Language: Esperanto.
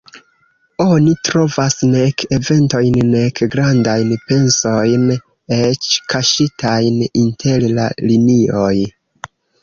Oni trovas nek eventojn, nek grandajn pensojn, eĉ kaŝitajn inter la linioj.